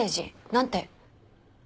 何て？